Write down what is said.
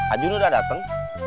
ajun udah dateng